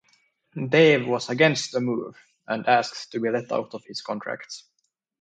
Dave was against the move, and asked to be let out of his contract.